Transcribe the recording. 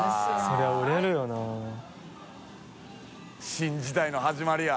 「新時代の始まり」や。